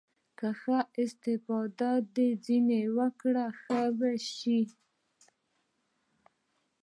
که ښه استفاده دې ځنې وکړه ښه شى ديه.